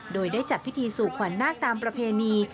โดยได้จัดพิธีสู่ขวัญนาคตามประเพณี